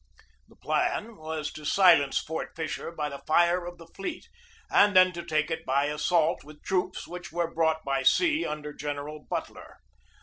The plan was to silence Fort Fisher by the fire of the fleet and then to take it by assault with troops which were brought by sea under General Butler.